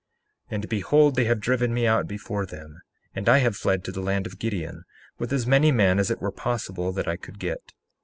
61:5 And behold, they have driven me out before them, and I have fled to the land of Gideon, with as many men as it were possible that I could get.